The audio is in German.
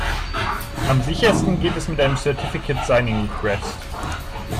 Am sichersten geht es mit einem Certificate Signing Request.